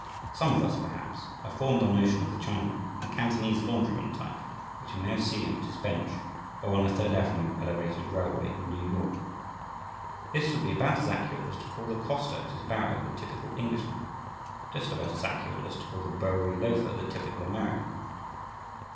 Some of us, perhaps, have formed our notion of the Chinaman from the Cantonese laundryman type which we may have seen at his bench or on the Third Avenue elevated railway in New York. This would be about as accurate as to call the coster at his barrow the typical Englishman; just about as accurate as to call the Bowery loafer the typical American.